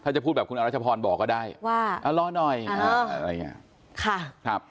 ถ้าจะพูดแบบคุณอรัชพรบอกก็ได้ว่ารอหน่อยอะไรอย่างนี้ค่ะครับ